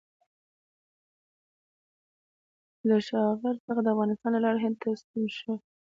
له کاشغر څخه د افغانستان له لارې هند ته ستون شي.